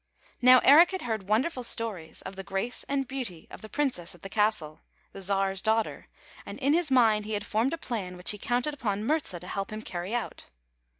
Now Eric had heard wonderful stories of the grace and beauty of the Princess at the castle, the Czar's daughter, and in his mind he had formed a plan which he counted upon Murza to help him carry out.